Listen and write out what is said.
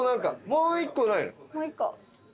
もう１個ないの？